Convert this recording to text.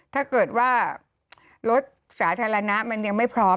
ถ้าเกิดว่ารถสาธารณะมันยังไม่พร้อม